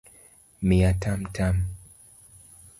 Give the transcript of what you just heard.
Miya tamtam